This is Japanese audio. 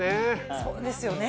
そうですよね。